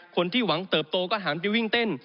คนที่หวังเติบโตก็หันไปวิ่งเต้น